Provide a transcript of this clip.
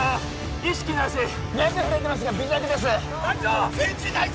意識なし脈触れてますが微弱です隊長！